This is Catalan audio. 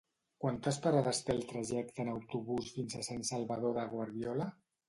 Quantes parades té el trajecte en autobús fins a Sant Salvador de Guardiola?